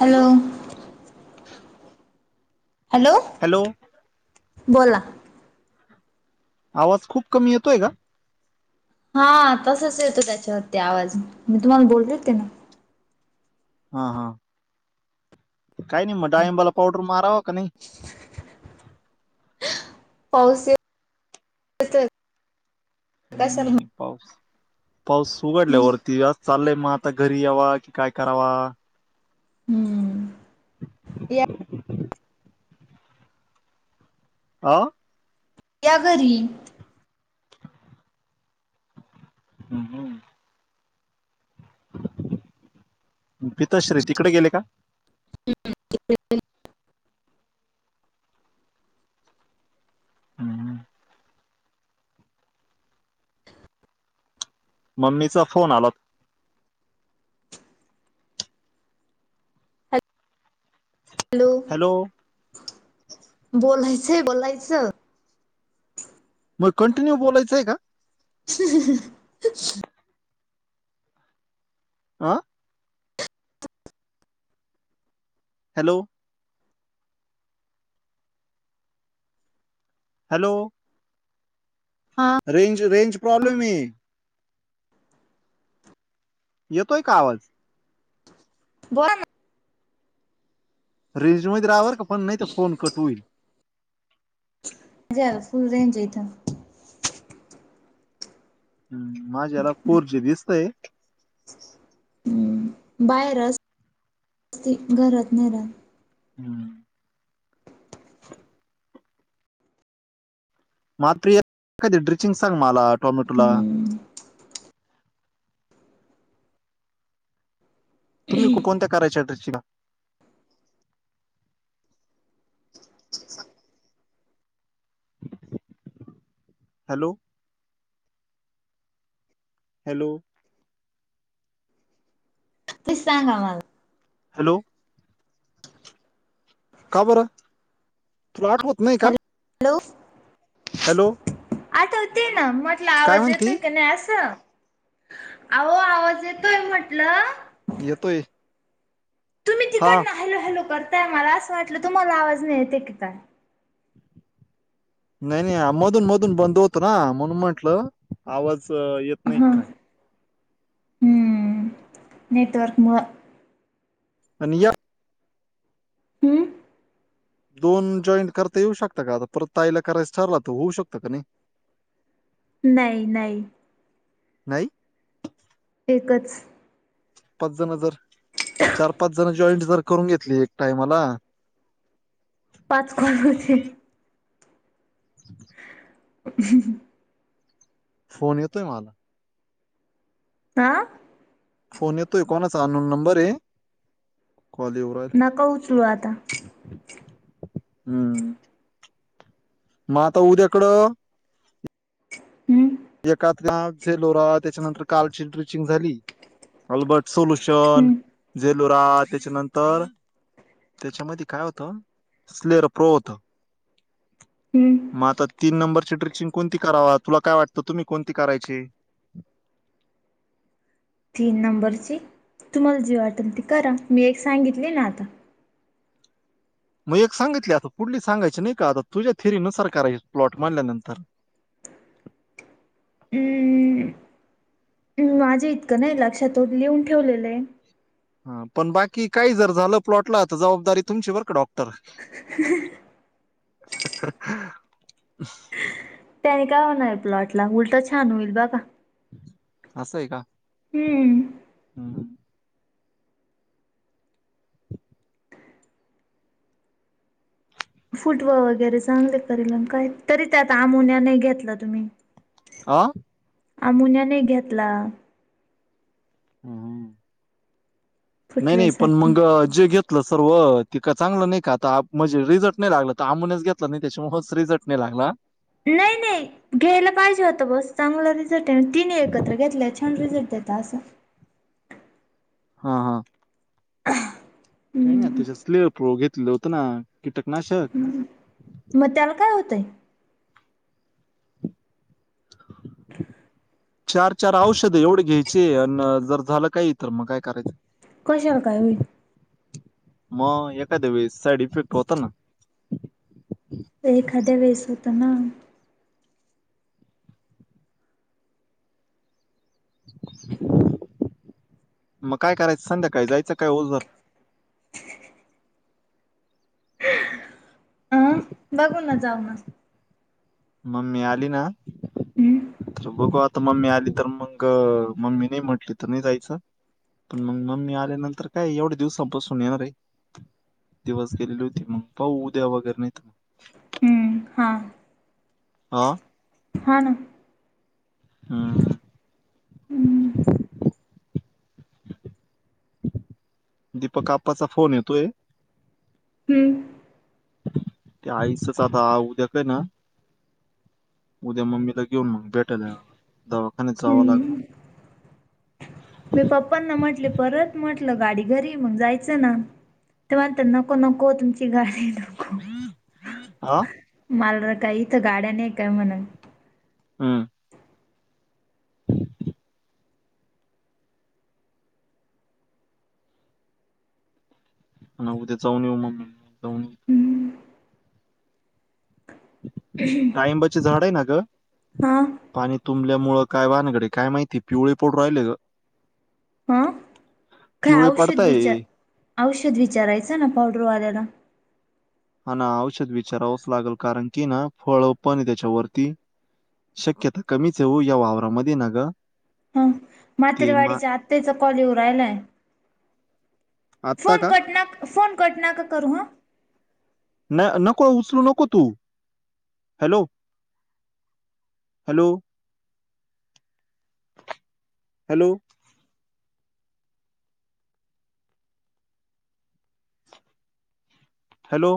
Hello hello hello बोला आवाज खूप कमी येतोय का? हा तसच येतो त्याच्यावरती आवाज मी तुम्हाला बोलले होते ना. हा हा काही नाही मग डाळिंबाला पावडर मारावा का नाही? पाऊस येत [inaudible] नाही नाही पाऊस पाऊस उघडल्या वर ती अस् चालय मग आता घरी यावा की काय करावा हम्म. या आ या घरी. हम् हम. पिताश्री तिकडे गेले का? [inaudible] हम्म. मम्मीच फोन आला [inaudible] हॅलो हॅलो बोलायचंय आहे बोलायचं मग कंटिन्यू बोलायचंय का? [unintelligible] आं हॅलो हॅलो हा रेंज रेंज प्रॉब्लेम आहे. येतोय का आवाज? बोला ना. रेंजमध्ये रहा बरं का पण नाही तर फोन कट होईल. [unintelligible] फुल रेंज आहे ईथ हम माझ्या याला फोर जी दिसतंय. हम्म बाहेर अस असती घरात नाही राहत हम्म मात्र एक एखादी ड्रिचिंग सांग मला टोमॅटोला. हम्म तुम्ही कोणत्या करायच्या [unintelligible] [inaudible] हॅलो. हॅलो. ते सांगा मला. हॅलो. का बरं तुला आठवत नाही का. हॅलो. हॅलो. आठवतंय तेना म्हटल, काय आवाज म्हणती येतोय कणी असं. अहो आवाज येतोय म्हटलं. येतोय. तुम्ही हा तिकडंन हॅलो हॅलो करताय. मला असं वाटलं तुम्हाला आवाज नाही येते की काय. नाही नाही मधून मधून बंद होत ना, म्हणून म्हंटलं आवाज येत. नाही हं काय हम नेटवर्कमुळं. आणि या. हम्म. दोन जॉईंट करता येऊ शकता का, आता परत ताईला करायच ठरला तो होऊ शकतो कणी. [inaudible] नाही नाही. ‌ नाही. एकच. पाच जण जर चार पाच जण, जॉईंट जर करून घेतली एक टाइमला. पाच कोण होते. [inaudible] [unintelligible] फोन येतोय मला. आ. फोन येतो कोणाच, अनोन नंबर ये कॉल येव नको उचलू आता. हम. मग आता उद्याकडं. हम्म. [unintelligible] सेलोरा त्याच्यानंतर कालची ट्रिचिंग झाली. अल्बर्ट सोल्युशन हम्म झेलोरा त्याच्यानंतर. त्यांच्यामध्ये काय होतं स्लेर प्रो होत. हम्म. मग आता तीन नंबरची स्रिचिंग कोणती करावा. तुला काय वाटतं तुम्ही कोणती करायची. तीन नंबरची तुम्हाला जी वाटेल ती करा, मी एक सांगितली ना आता. मग एक सांगितली आता पुढली सांगायची नाही का, आता तुझ्या थेरीनुसार करायची प्लॉट म्हणल्यानंतर. हम्म. ‌ माझ्या इतकं नाही लक्षात ओ, लिहून ठेवलेलं ये. हा पण बाकी काही जर झालं प्लॉटला तर, जबाबदारी तुमची बर का डॉक्टर. [unintelligible] ह. [unintelligible] त्याने काय होणार आहे प्लॉटला? उलट छान होईल बघा. असंय का? हम्म. हम्म. फुटवा वगैरे चांगले करेल काय, तरी त्यात अमोनिया नाही घेतला तुम्ही. आ? अमोनिया नई घेतला. हम्म. नाही नाही पण फुटव्यासाठी. मग जे घेत लं सर्व तिकं चांगलं नाही का आता म्हणजे रिझल्ट नाही लागलं तर आमनेच घेतलं नाही त्याच्यामुळे हच रिझल्ट नाही लागला. नाही नाही घ्यायला पाहिजे होतं बस. चांगलं रिझल्ट आहे तिने एकत्र घेतलं आहे छान रिझल्ट देेतता असं. हा हा. काही ना त्याच्या स्ले घेतलेलं होत ना कीटकनाशक हम्म मग त्याला काय होतंय. चार चार औषध एवढे घ्यायचे आणि जर झालं काही तर मग काय करायचं? कशाला काय होईल? मग एखाद्या वेस साईड इफेक्ट होता ना. एखाद्या वेळेस होत ना. मग काय करायचं संध्याकाय जायचं काय ओतवर. अं बघू ना जाऊ म. मम्मी आली ना हम्म तर बघू आता मम्मी आली तर मग, मम्मी नाही म्हटली तर नाही जायचं पण मग मम्मी आल्यानंतर काय एवढ्या दिवसा बसून येणार आहे. दिवस गेलेली होती मग, पाऊ उद्या वगैरे नाही तर मग हम्म हा हा? हा ना. हम्म हम्म दीपक आप्पाचा फोन येतोय. हम्म ते आईच आता उद्या काय ना उद्या मम्मीला घेऊन मग भेटायलाला दवाखान्यात जावं लागल. हम्म. मी पप्पांना म्हटले परत म्हटलं गाडी घरी मग जायचं ना ते म्हणतायेत, नको नको तुमची गाडी नको आ? मलर का इथं गाड्या नाही काय म्हण? हम्म उद्या जाऊन येउ मग मी जाऊन [inaudible] डाळिंबाचे झाड आहे ना ग? हा पाणी तुंबल्यामुळं काय भानगड आहे काय माहिती पिवळे पडू राहिले ग. हा काय पिवळे औषध पडताय विचार, औषध विचारायचं ना पावडरवाल्याला. हा ना औषध विचारावंच लागेल कारण की ना फळ पण त्याच्यावरती. शक्यता कमीच आहे हो या वावरामध्ये ना ग. हा ते मा मातेरवाडीच्या आत्याचा कॉल येऊ राहिलाय आत्ता फोन का कट नक फोन कट नका करू ह. न नको उचलू नको तू, hello? Hello? Hello? Hello.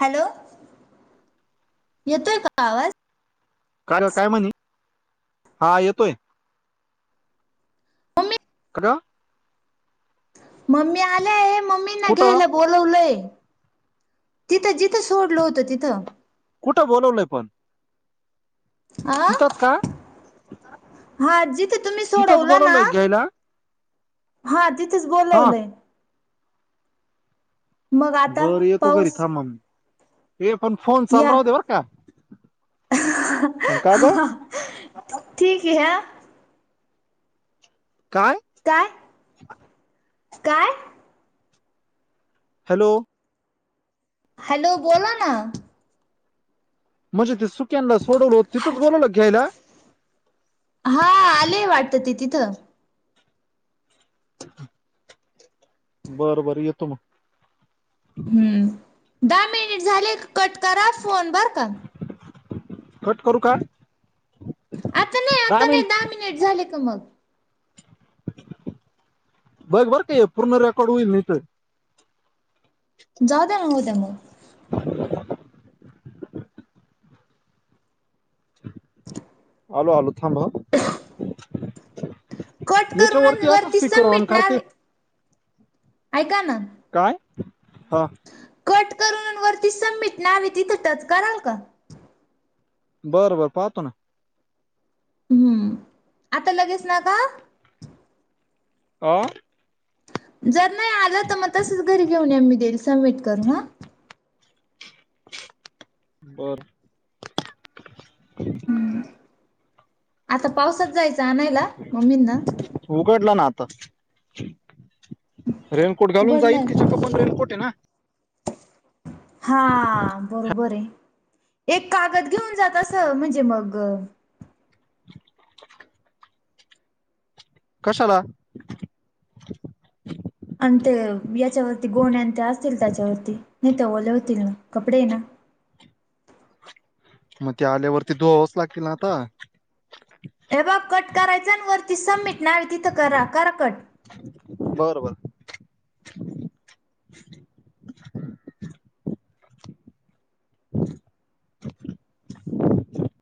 Hello, येतोय का आवाज? कार काय म्हणी? हा येतोय. हॅलो मम्मी आले आहे हे मम्मी ना कुठं घेयला बोलवलंय, हे जिथं सोडलं होतं तिथं. कुठं बोलवलय पण? अ तिथंच का हा, जिथं तुम्ही तिथंच सोडवला ना. बोलवलंय घ्यायला हा तिथेच हा बोलवलय. मग आता पाऊस? ये पण फोन चालू या राहू दे बर का मग का ग [unintelligible] ठीक आहे ह. काय? काय काय? हॅलो. हॅलो बोला ना. म्हणजे ते सुक्यांनला सोडवल होत तिथंच बोलवलं घ्यायला? हा आलेय वाटतं ते तिथं. बरं बरं येतो मग. हम्म दहा मिनिट झाले का, कट करा फोन बरं का? कट करु काय? आता नाही, आता नाही दहा मिनिट झाले का मग. बघ बर का हे पूर्ण रेकॉर्ड होईल नाही तर. जाऊ दे ना होऊ द्या मग. [inaudible] आलो आलो थांब हं. कट याच्या करून वरती असं स्पीकर ऑन सबमिट करत नाव येत. ऐका ना काय, हं. कट करून वरती सबमिट नाव तिथं टच कराल का. बरं बरं पाहतो ना. हम्म आता लगेच नका हा. अ? जर नाही आलं तर मग तसच घरी घेऊन ये मी देईल सबमिट करून ह? बरं आता पावसात जायचं आणायला मम्मींना? उघडलं ना, आता रेनकोट घालून जाईल उघडलाय की का? ज पण रेनकोट आहे ना. हा बरोबर आहे, एक कागद घेऊन जात अस म्हणजे मग. कशाला? अ ते याच्यावरती गोणे अंत असतील त्याच्यावरती नाही ते ओले होतील ना कपडे ना मग ते आल्यावरती धुवावाच लागतील ना आता? ए बघ कट करायचा वरती सबमिट नाव तिथं करा. करा कट. बरं बरं. ् [inaudible]